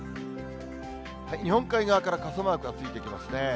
日本海側から傘マークがついてきますね。